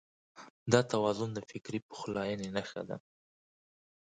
دا توازن د فکري پخلاينې نښه ده.